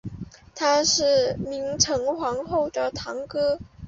他是明成皇后的堂哥。